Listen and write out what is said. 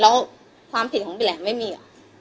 แล้วความผิดของบิแหลมไม่มี